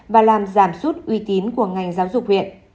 và làm giảm sút uy tín của ngành giáo dục huyện